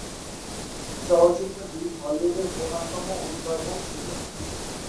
চলচ্চিত্রটি হলিউডের প্রধানতম উদ্ভাবন ছিল।